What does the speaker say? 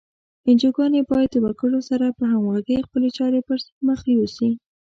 انجوګانې باید د وګړو سره په همغږۍ خپلې چارې پر مخ یوسي.